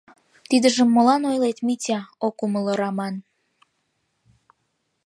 — Тидыжым молан ойлет, Митя? — ок умыло Раман.